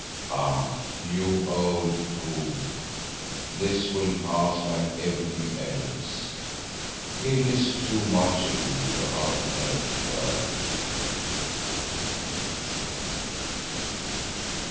Ah, you old fool, this will pass like everything else. It is too much ado about a little girl."